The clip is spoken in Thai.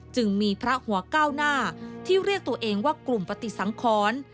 จึงมีพระหัวก้าวหน้าที่เรียกตัวเองว่ากลุ่มปฏิสังคร